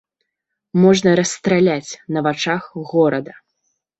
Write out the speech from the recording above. Можна расстраляць на вачах горада.